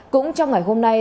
cũng trong ngày hôm nay